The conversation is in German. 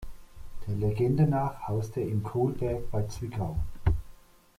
Der Legende nach haust er im Kohlberg bei Zwickau.